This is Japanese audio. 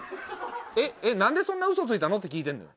えっ何でそんなウソついたの？って聞いてんのよ。